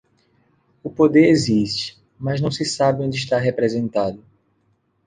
O poder existe, mas não se sabe onde está representado.